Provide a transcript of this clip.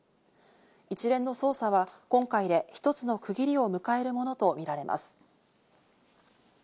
一連の捜査は今回で一つの区切りを迎えるものとみられます。